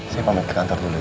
saya pamit ke kantor dulu ya